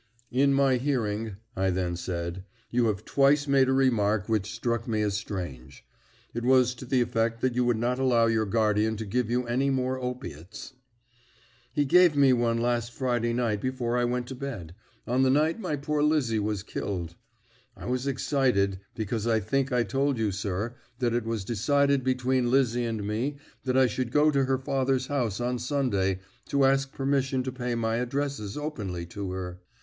"In my hearing," I then said, "you have twice made a remark which struck me as strange. It was to the effect that you would not allow your guardian to give you any more opiates." "He gave me one last Friday night before I went to bed on the night my poor Lizzie was killed. I was excited, because I think I told you, sir, that it was decided between Lizzie and me that I should go to her father's house on Sunday, to ask permission to pay my addresses openly to her.